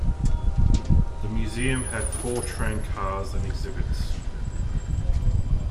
The museum had four train cars and exhibits.